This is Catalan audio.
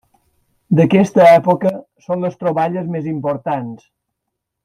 D'aquesta època són les troballes més importants.